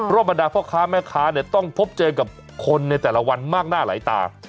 ร่วมอันดับเพราะค้าแม่ค้าต้องพบเจอกับคนในแต่ละวันมากหน้าหลายตา